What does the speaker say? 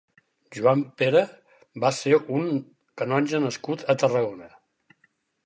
Joan Pere va ser un canonge nascut a Tarragona.